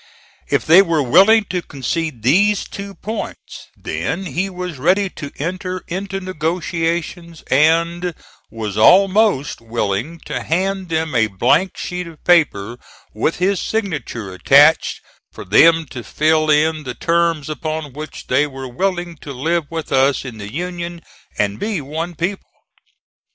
If they were willing to concede these two points, then he was ready to enter into negotiations and was almost willing to hand them a blank sheet of paper with his signature attached for them to fill in the terms upon which they were willing to live with us in the Union and be one people.